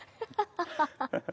ハハハハ。